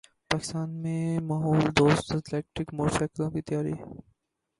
پاکستان میں ماحول دوست الیکٹرک موٹر سائیکلوں کی تیاری